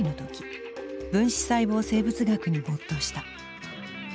分子細胞生物学に没頭した。